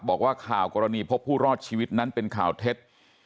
บอกว่าข่าวกรณีพบผู้รอดชีวิตนั้นเป็นข่าวเท็จ